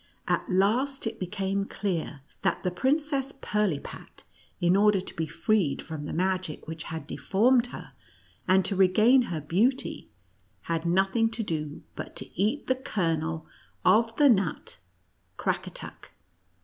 — at last it became clear, that the Princess Pirlipat, in order to be freed from the magic which had deformed her, and to regain her beauty, had nothing to do but to eat the kernel of the nut Crackatuck.